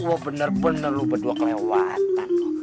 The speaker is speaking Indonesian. wah bener bener lu berdua kelewatan